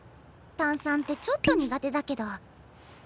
炭酸ってちょっと苦手だけど。